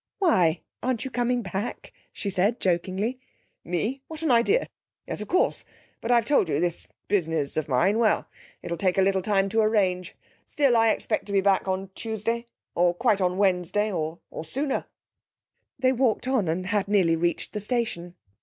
'Why aren't you coming back?' she asked jokingly. 'Me? What an idea! Yes, of course. But I've told you this business of mine well, it'll take a little time to arrange. Still, I expect to be back on Tuesday. Or quite on Wednesday or sooner.' They walked on and had nearly reached the station.